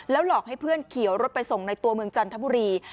หลอกให้เพื่อนเขียวรถไปส่งในตัวเมืองจันทบุรี